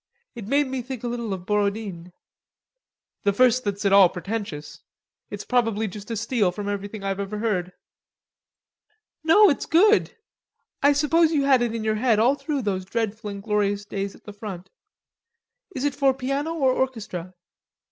It made me think a little of Borodine." "The first that's at all pretentious. It's probably just a steal from everything I've ever heard." "No, it's good. I suppose you had it in your head all through those dreadful and glorious days at the front.... Is it for piano or orchestra?"